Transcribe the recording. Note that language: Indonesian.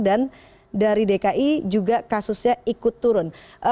dan dari dki juga kasusnya ikut turun